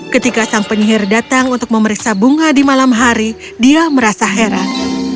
ketika sang penyihir datang untuk memeriksa bunga di malam hari dia merasa heran